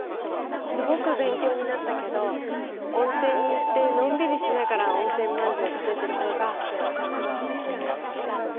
すごく勉強になったけど温泉に行ってのんびりしながら温泉まんじゅうを食べてる方が私は好きかな。